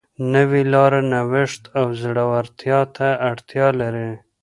نوې لاره نوښت او زړهورتیا ته اړتیا لري.